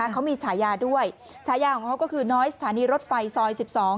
เขามีฉายาด้วยฉายาของเขาก็คือน้อยสถานีรถไฟซอย๑๒